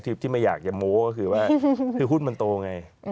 ที่ไม่อยากจะโม้ก็คือว่าคือหุ้นมันโตไง